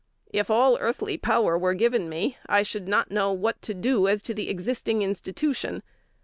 If all earthly power were given me, I should not know what to do as to the existing institution_.